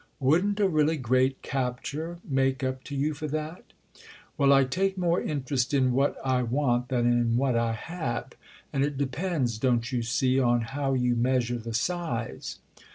"Wouldn't a really great capture make up to you for that?" "Well, I take more interest in what I want than in what I have—and it depends, don't you see, on how you measure the size."